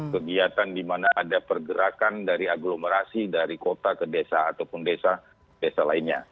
kegiatan di mana ada pergerakan dari agglomerasi dari kota ke desa ataupun desa desa lainnya